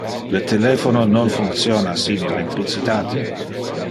Le telephono non functiona sin electricitate.